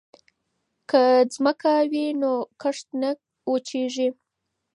که ځمکه وي نو کښت نه وچيږي.